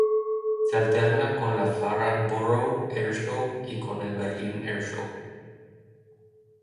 Se alterna con la Farnborough Air Show y con el Berlin Air Show.